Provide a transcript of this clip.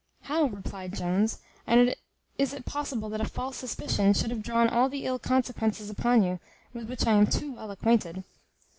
"How!" replied Jones, "and is it possible that a false suspicion should have drawn all the ill consequences upon you, with which I am too well acquainted?"